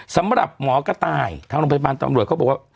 สำหรับหมอกระต่ายทางโรงพยาบาลตำรวจเขาบอกว่า